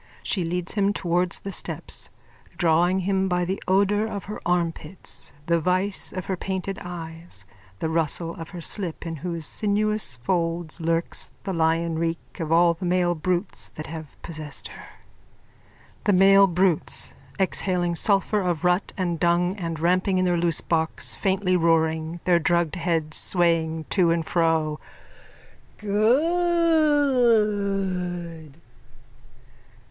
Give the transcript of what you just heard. She leads him towards the steps, drawing him by the odour of her armpits, the vice of her painted eyes, the rustle of her slip in whose sinuous folds lurks the lion reek of all the male brutes that have possessed her.)_ THE MALE BRUTES: _(Exhaling sulphur of rut and dung and ramping in their loosebox, faintly roaring, their drugged heads swaying to and fro.)_ Good!